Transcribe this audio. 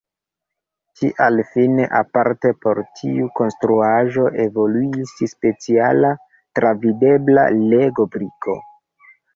Tial fine aparte por tiu konstruaĵo evoluis speciala travidebla Lego-briko.